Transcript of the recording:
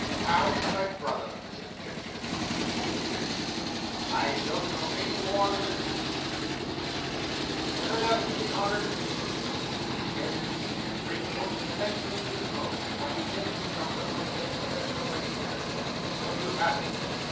"How is my brother, Mrs Pipchin?" says Mrs Chick. "I don't know any more than the deuce," says Mrs Pipchin. "He never does me the honour to speak to me. He has his meat and drink put in the next room to his own; and what he takes, he comes out and takes when there's nobody there. It's no use asking me.